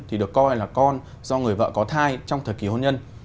thì được coi là con do người vợ có thai trong thời kỳ hôn nhân